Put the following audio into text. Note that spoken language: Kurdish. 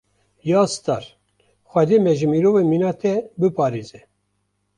Ya star! Xwedê me ji mirovên mîna te biparêze.